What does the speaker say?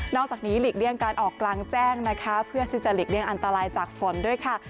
อกจากนี้หลีกเลี่ยงการออกกลางแจ้งนะคะเพื่อที่จะหลีกเลี่ยอันตรายจากฝนด้วยค่ะ